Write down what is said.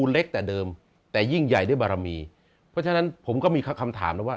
เล็กแต่เดิมแต่ยิ่งใหญ่ด้วยบารมีเพราะฉะนั้นผมก็มีคำถามแล้วว่า